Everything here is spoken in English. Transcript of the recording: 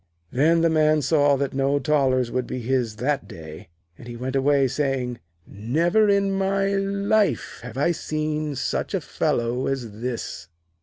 Then the Man saw that no thalers would be his that day, and he went away, saying: 'Never in my life have I seen such a fellow as this.'